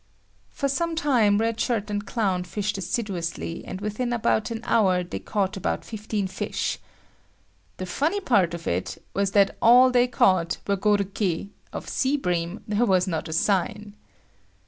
For some time, Red Shirt and Clown fished assiduously and within about an hour they caught about fifteen fish. The funny part of it was that all they caught were goruki; of sea bream there was not a sign.